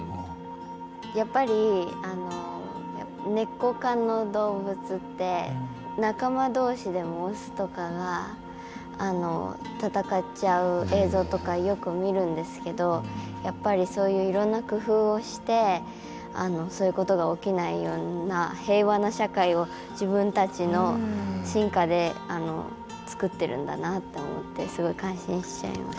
やっぱりネコ科の動物って仲間同士でもオスとかがあの戦っちゃう映像とかよく見るんですけどやっぱりそういういろんな工夫をしてそういうことが起きないような平和な社会を自分たちの進化で作ってるんだなと思ってすごい感心しちゃいました。